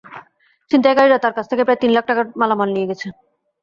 ছিনতাইকারীরা তাঁর কাছ থেকে প্রায় তিন লাখ টাকার মালামাল নিয়ে গেছে।